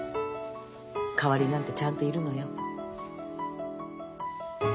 代わりなんてちゃんといるのよ。